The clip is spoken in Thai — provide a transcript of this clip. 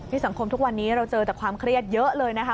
สังคมทุกวันนี้เราเจอแต่ความเครียดเยอะเลยนะคะ